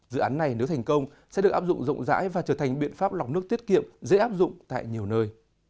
dự án này nếu thành công sẽ được áp dụng rộng rãi và trở thành biện pháp lọc nước tiết kiệm dễ áp dụng tại nhiều nơi